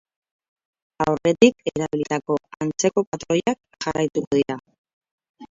Aurretik erabilitako antzeko patroiak jarraituko dira.